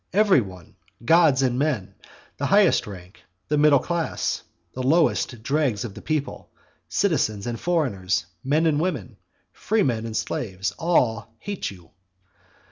Every one, gods and men, the highest rank, the middle class, the lowest dregs of the people, citizens and foreigners, men and women, free men and slaves, all hate you.